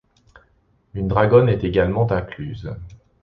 Une dragonne est également incluse.